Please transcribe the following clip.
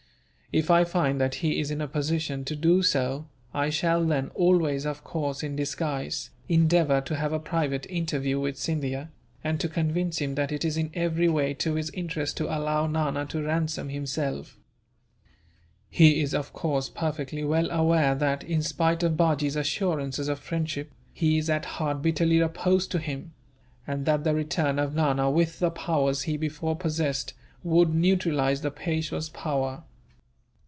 If I find that he is in a position to do so, I shall then always, of course, in disguise endeavour to have a private interview with Scindia, and to convince him that it is in every way to his interest to allow Nana to ransom himself. He is, of course, perfectly well aware that, in spite of Bajee's assurances of friendship, he is at heart bitterly opposed to him; and that the return of Nana, with the powers he before possessed, would neutralize the Peishwa's power."